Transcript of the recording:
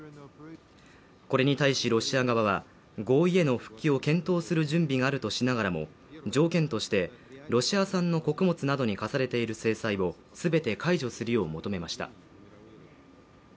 これに対しロシア側は合意への復帰を検討する準備があるとしながらも、条件としてロシア産の穀物などに科されている制裁を全て解除するよう求めました。